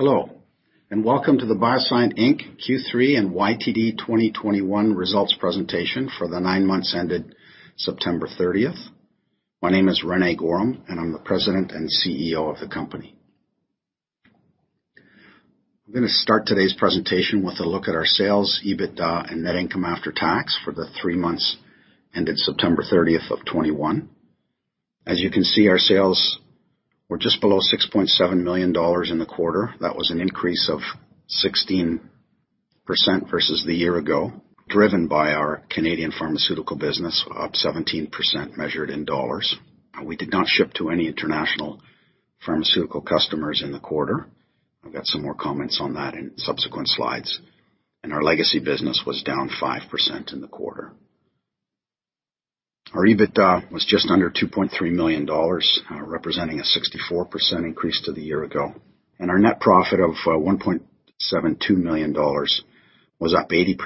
Hello, and welcome to the BioSyent Inc. Q3 and YTD 2021 results presentation for the nine months ended September 30. My name is René Goehrum, and I'm the President and CEO of the company. I'm gonna start today's presentation with a look at our sales, EBITDA, and net income after tax for the three months ended September 30, 2021. As you can see, our sales were just below 6.7 million dollars in the quarter. That was an increase of 16% versus the year ago, driven by our Canadian pharmaceutical business, up 17% measured in dollars. We did not ship to any international pharmaceutical customers in the quarter. I've got some more comments on that in subsequent slides. Our legacy business was down 5% in the quarter. Our EBITDA was just under 2.3 million dollars, representing a 64% increase to the year ago. Our net profit of 1.72 million dollars was up 80%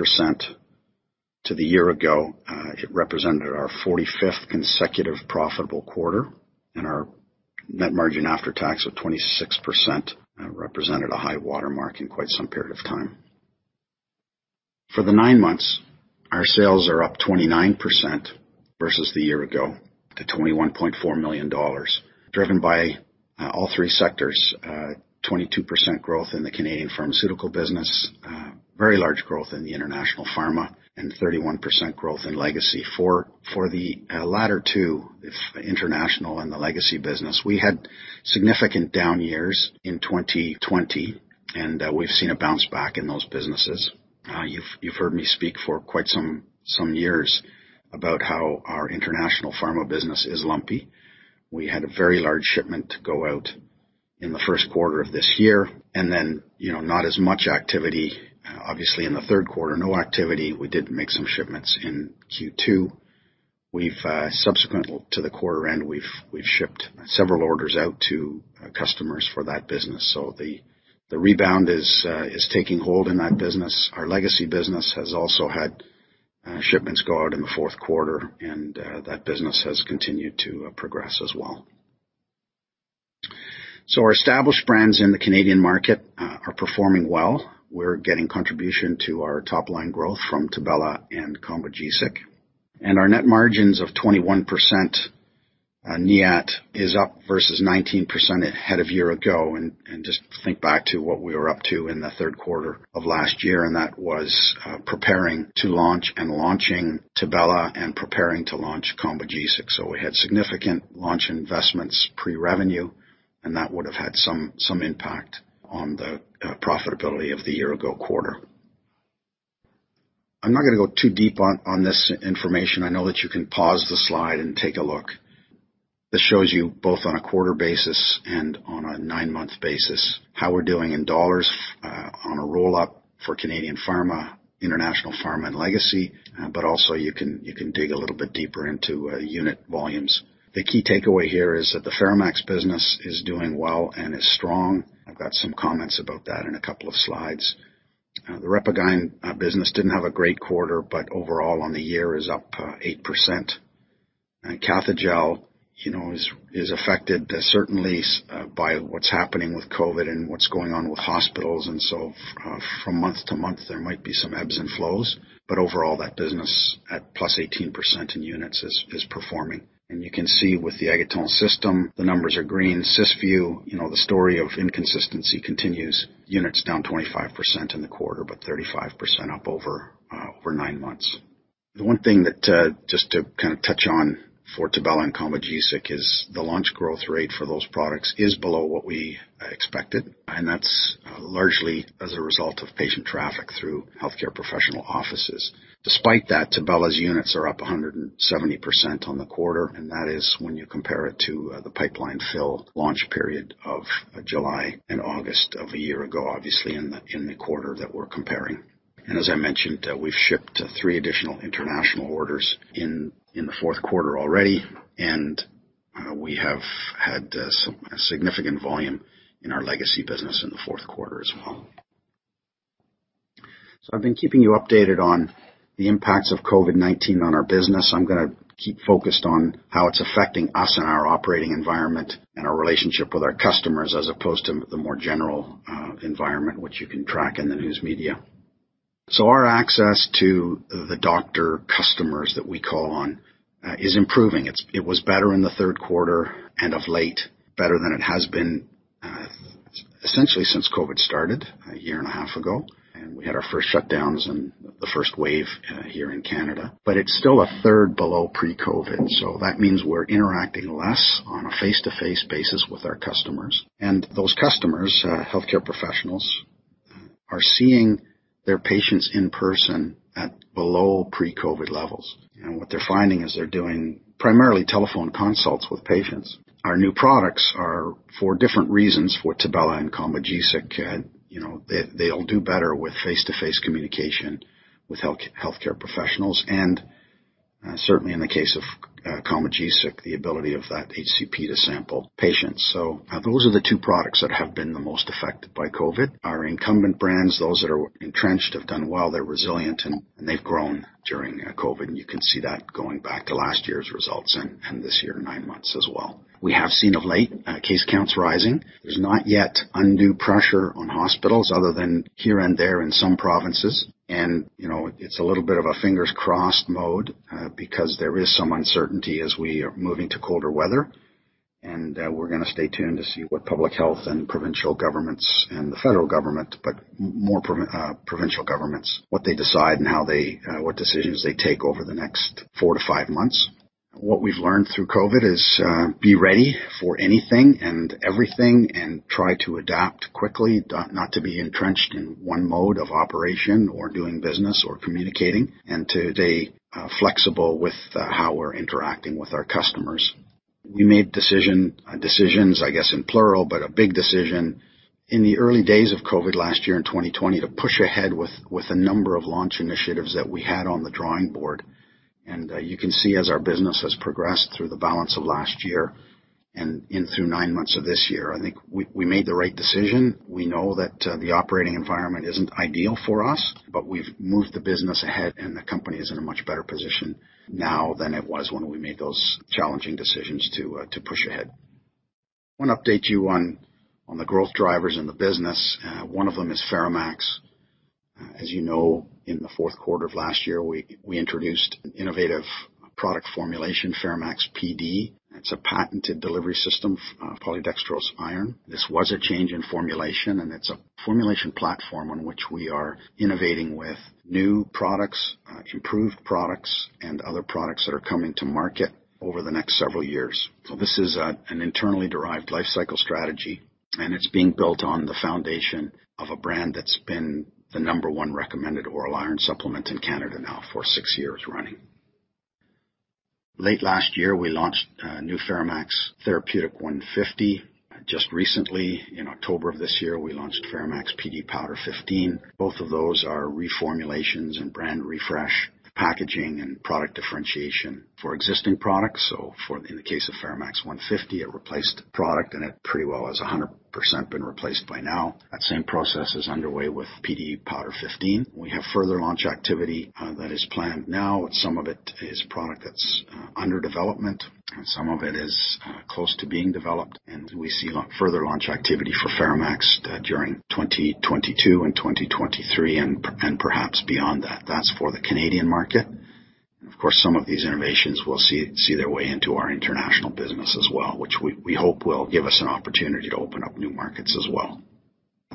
to the year ago. It represented our 45th consecutive profitable quarter. Our net margin after tax of 26% represented a high watermark in quite some period of time. For the nine months, our sales are up 29% versus the year ago to 21.4 million dollars, driven by all three sectors. 22% growth in the Canadian pharmaceutical business, very large growth in the international pharma, and 31% growth in legacy. For the latter two, it's the international and the legacy business. We had significant down years in 2020, and we've seen a bounce back in those businesses. You've heard me speak for quite some years about how our international pharma business is lumpy. We had a very large shipment go out in the first quarter of this year. You know, not as much activity, obviously in the third quarter, no activity. We did make some shipments in Q2. We've subsequent to the quarter end shipped several orders out to customers for that business. The rebound is taking hold in that business. Our legacy business has also had shipments go out in the fourth quarter, and that business has continued to progress as well. Our established brands in the Canadian market are performing well. We're getting contribution to our top-line growth from Tibella and Combogesic. Our net margins of 21%, NIAT is up versus 19% ahead of year ago. Just think back to what we were up to in the third quarter of last year, and that was preparing to launch and launching Tibella and preparing to launch Combogesic. We had significant launch investments pre-revenue, and that would have had some impact on the profitability of the year ago quarter. I'm not gonna go too deep on this information. I know that you can pause the slide and take a look. This shows you both on a quarter basis and on a 9-month basis how we're doing in dollars on a roll-up for Canadian Pharma, International Pharma and Legacy, but also you can dig a little bit deeper into unit volumes. The key takeaway here is that the FeraMAX business is doing well and is strong. I've got some comments about that in a couple of slides. The RepaGyn business didn't have a great quarter, but overall on the year is up 8%. Cathejell, you know, is affected certainly by what's happening with COVID and what's going on with hospitals. From month to month, there might be some ebbs and flows, but overall, that business at +18% in units is performing. You can see with the AAguettant System, the numbers are green. Cysview, you know, the story of inconsistency continues. Units down 25% in the quarter, but 35% up over 9 months. The one thing that just to kinda touch on for Tibella and Combogesic is the launch growth rate for those products is below what we expected, and that's largely as a result of patient traffic through healthcare professional offices. Despite that, Tibella's units are up 170% on the quarter, and that is when you compare it to the pipeline fill launch period of July and August of a year ago, obviously in the quarter that we're comparing. As I mentioned, we've shipped 3 additional international orders in the fourth quarter already, and we have had some significant volume in our legacy business in the fourth quarter as well. I've been keeping you updated on the impacts of COVID-19 on our business. I'm gonna keep focused on how it's affecting us and our operating environment and our relationship with our customers, as opposed to the more general environment which you can track in the news media. Our access to the doctor customers that we call on is improving. It was better in the third quarter and of late, better than it has been essentially since COVID started a year and a half ago. We had our first shutdowns and the first wave here in Canada. It's still a third below pre-COVID. That means we're interacting less on a face-to-face basis with our customers. Those customers, healthcare professionals, are seeing their patients in person at below pre-COVID levels. What they're finding is they're doing primarily telephone consults with patients. Our new products are for different reasons for Tibella and Combogesic. You know, they all do better with face-to-face communication with healthcare professionals, and certainly in the case of Combogesic, the ability of that HCP to sample patients. So, those are the two products that have been the most affected by COVID. Our incumbent brands, those that are entrenched, have done well. They're resilient and they've grown during COVID, and you can see that going back to last year's results and this year nine months as well. We have seen of late case counts rising. There's not yet undue pressure on hospitals other than here and there in some provinces. You know, it's a little bit of a fingers crossed mode because there is some uncertainty as we are moving to colder weather. We're gonna stay tuned to see what public health and provincial governments and the federal government, provincial governments, what they decide and how they, what decisions they take over the next 4-5 months. What we've learned through COVID is be ready for anything and everything and try to adapt quickly, not to be entrenched in one mode of operation or doing business or communicating, and to be flexible with how we're interacting with our customers. We made decisions, I guess, in plural, but a big decision in the early days of COVID last year in 2020, to push ahead with a number of launch initiatives that we had on the drawing board. You can see as our business has progressed through the balance of last year and in through nine months of this year, I think we made the right decision. We know that the operating environment isn't ideal for us, but we've moved the business ahead and the company is in a much better position now than it was when we made those challenging decisions to push ahead. Wanna update you on the growth drivers in the business. One of them is FeraMAX. As you know, in the fourth quarter of last year, we introduced an innovative product formulation, FeraMAX Pd. It's a patented delivery system, polydextrose iron. This was a change in formulation, and it's a formulation platform on which we are innovating with new products, improved products, and other products that are coming to market over the next several years. This is an internally derived life cycle strategy, and it's being built on the foundation of a brand that's been the number one recommended oral iron supplement in Canada now for six years running. Late last year, we launched new FeraMAX Pd Therapeutic 150. Just recently, in October of this year, we launched FeraMAX Pd Powder 15. Both of those are reformulations and brand refresh packaging and product differentiation for existing products. In the case of FeraMAX Pd Therapeutic 150, it replaced product, and it pretty well has 100% been replaced by now. That same process is underway with Pd Powder 15. We have further launch activity that is planned now. Some of it is product that's under development and some of it is close to being developed. We see further launch activity for FeraMAX during 2022 and 2023 and perhaps beyond that. That's for the Canadian market. Of course, some of these innovations will see their way into our international business as well, which we hope will give us an opportunity to open up new markets as well.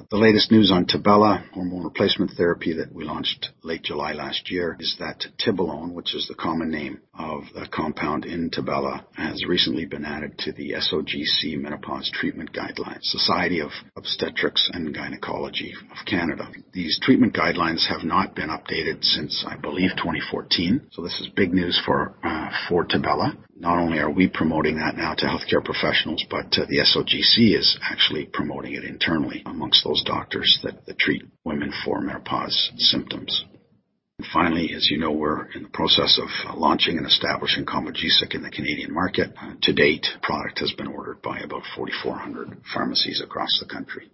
The latest news on Tibella hormone replacement therapy that we launched late July last year is that tibolone, which is the common name of a compound in Tibella, has recently been added to the SOGC Menopause Treatment Guidelines, Society of Obstetricians and Gynaecologists of Canada. These treatment guidelines have not been updated since, I believe, 2014. This is big news for Tibella. Not only are we promoting that now to healthcare professionals, but the SOGC is actually promoting it internally among those doctors that treat women for menopause symptoms. Finally, as you know, we're in the process of launching and establishing Combogesic in the Canadian market. To date, product has been ordered by about 4,400 pharmacies across the country.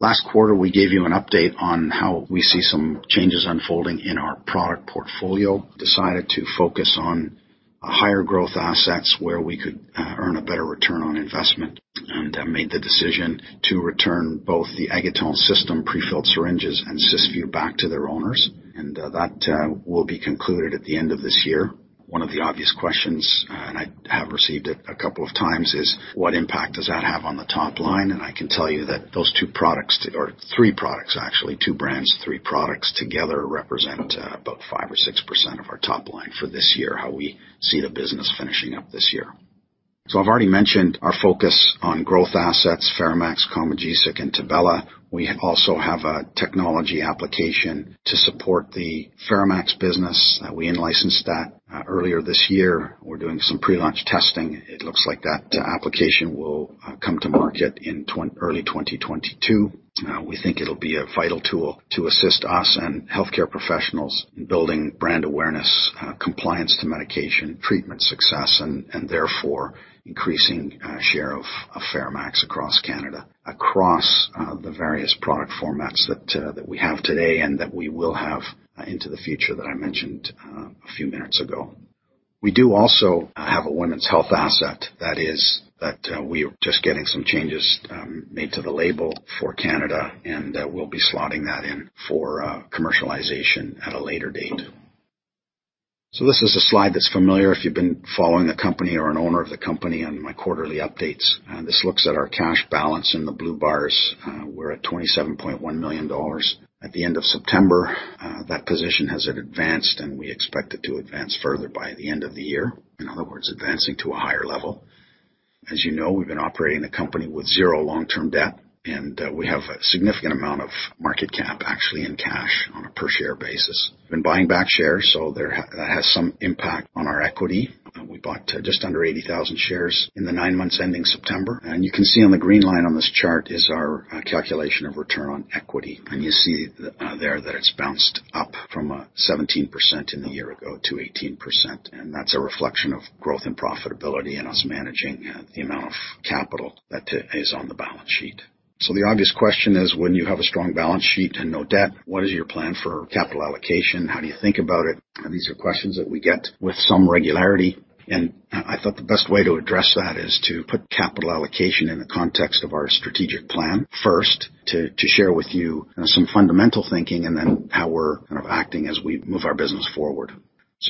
Last quarter, we gave you an update on how we see some changes unfolding in our product portfolio. We decided to focus on higher growth assets where we could earn a better return on investment and made the decision to return both the Agitol system prefilled syringes and Cysview back to their owners. That will be concluded at the end of this year. One of the obvious questions, and I have received it a couple of times, is what impact does that have on the top line? I can tell you that those two products or three products actually, two brands, three products together represent about 5% or 6% of our top line for this year, how we see the business finishing up this year. I've already mentioned our focus on growth assets, FeraMAX, Combogesic and Tibella. We also have a technology application to support the FeraMAX business. We in-licensed that earlier this year. We're doing some pre-launch testing. It looks like that application will come to market in early 2022. We think it'll be a vital tool to assist us and healthcare professionals in building brand awareness, compliance to medication, treatment success and therefore increasing share of FeraMAX across Canada across the various product formats that we have today and that we will have into the future that I mentioned a few minutes ago. We do also have a women's health asset that we are just getting some changes made to the label for Canada, and we'll be slotting that in for commercialization at a later date. This is a slide that's familiar if you've been following the company or an owner of the company on my quarterly updates. This looks at our cash balance in the blue bars. We're at 27.1 million dollars. At the end of September, that position has advanced, and we expect it to advance further by the end of the year. In other words, advancing to a higher level. As you know, we've been operating the company with zero long-term debt, and we have a significant amount of market cap actually in cash on a per share basis. We've been buying back shares, so that has some impact on our equity. We bought just under 80,000 shares in the nine months ending September. You can see on the green line on this chart is our calculation of return on equity. You see there that it's bounced up from 17% in the year ago to 18%, and that's a reflection of growth and profitability and us managing the amount of capital that is on the balance sheet. The obvious question is when you have a strong balance sheet and no debt, what is your plan for capital allocation? How do you think about it? These are questions that we get with some regularity. I thought the best way to address that is to put capital allocation in the context of our strategic plan. First, to share with you some fundamental thinking and then how we're kind of acting as we move our business forward.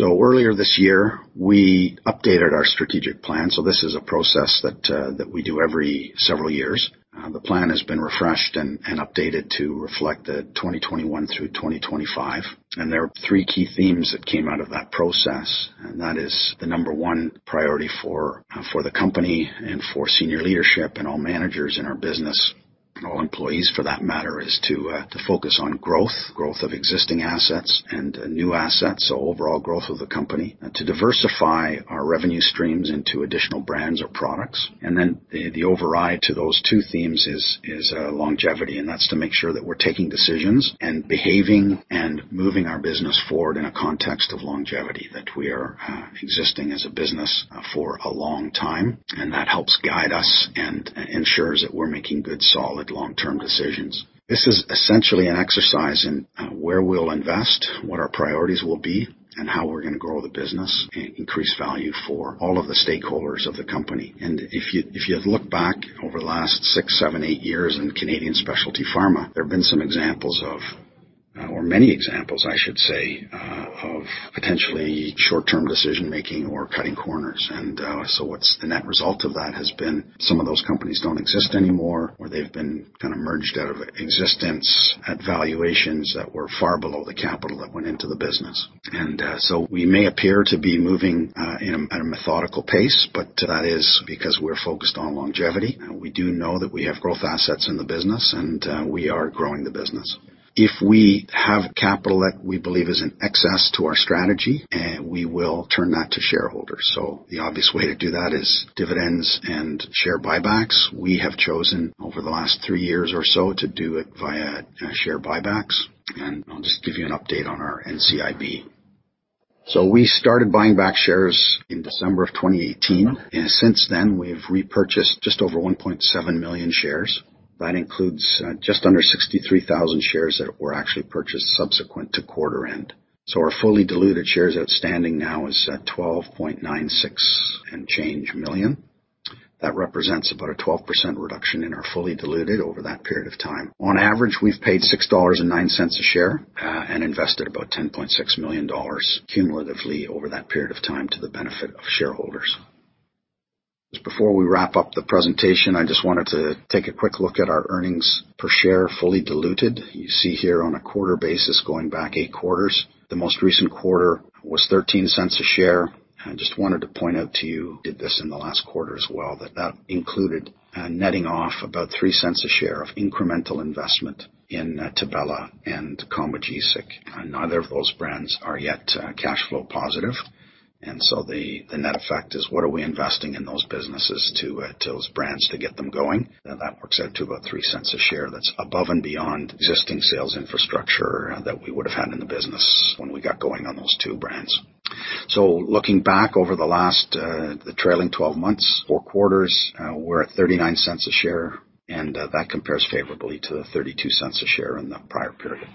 Earlier this year, we updated our strategic plan. This is a process that we do every several years. The plan has been refreshed and updated to reflect the 2021 through 2025. There are three key themes that came out of that process. That is the number one priority for the company and for senior leadership and all managers in our business, and all employees for that matter, is to focus on growth of existing assets and new assets, so overall growth of the company. To diversify our revenue streams into additional brands or products. The override to those two themes is longevity, and that's to make sure that we're taking decisions and behaving and moving our business forward in a context of longevity, that we are existing as a business for a long time, and that helps guide us and ensures that we're making good, solid long-term decisions. This is essentially an exercise in where we'll invest, what our priorities will be, and how we're gonna grow the business and increase value for all of the stakeholders of the company. If you look back over the last 6, 7, 8 years in Canadian specialty pharma, there have been some examples of or many examples I should say of potentially short-term decision-making or cutting corners. What's the net result of that has been some of those companies don't exist anymore, or they've been kinda merged out of existence at valuations that were far below the capital that went into the business. We may appear to be moving at a methodical pace, but that is because we're focused on longevity. We do know that we have growth assets in the business and we are growing the business. If we have capital that we believe is in excess to our strategy, we will turn that to shareholders. The obvious way to do that is dividends and share buybacks. We have chosen over the last three years or so to do it via share buybacks, and I'll just give you an update on our NCIB. We started buying back shares in December 2018, and since then, we have repurchased just over 1.7 million shares. That includes just under 63,000 shares that were actually purchased subsequent to quarter end. Our fully diluted shares outstanding now is at 12.96 and change million. That represents about a 12% reduction in our fully diluted over that period of time. On average, we've paid 6.09 dollars a share and invested about 10.6 million dollars cumulatively over that period of time to the benefit of shareholders. Just before we wrap up the presentation, I just wanted to take a quick look at our earnings per share, fully diluted. You see here on a quarter basis, going back 8 quarters. The most recent quarter was 0.13 a share. I just wanted to point out to you, I did this in the last quarter as well, but that included a netting off about 0.03 a share of incremental investment in Tibella and Combogesic. Neither of those brands are yet cash flow positive. The net effect is what are we investing in those businesses to those brands to get them going? That works out to about 0.03 a share. That's above and beyond existing sales infrastructure that we would have had in the business when we got going on those two brands. Looking back over the last, the trailing 12 months, 4 quarters, we're at 0.39 a share, and that compares favorably to the 0.32 a share in the prior period.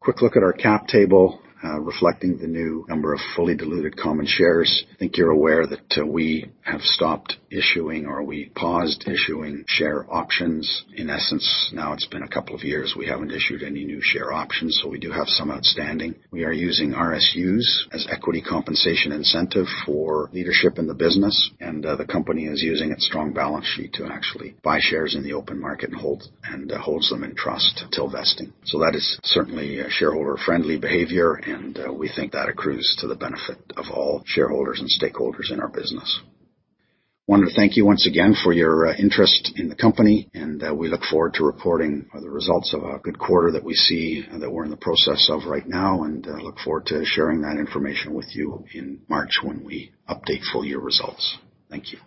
Quick look at our cap table, reflecting the new number of fully diluted common shares. I think you're aware that we have stopped issuing or we paused issuing share options. In essence, now it's been a couple of years, we haven't issued any new share options. We do have some outstanding. We are using RSUs as equity compensation incentive for leadership in the business. The company is using its strong balance sheet to actually buy shares in the open market and holds them in trust till vesting. That is certainly a shareholder-friendly behavior, and we think that accrues to the benefit of all shareholders and stakeholders in our business. We want to thank you once again for your interest in the company. We look forward to reporting the results of a good quarter that we see and that we're in the process of right now. We look forward to sharing that information with you in March when we update full year results. Thank you.